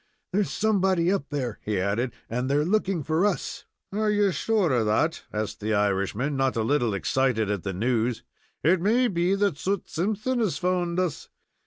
"There's somebody up there," he added, "and they're looking for us." "Are ye sure of that?" asked the Irishman, not a little excited at the news. "It may be that Soot Simpson has found us.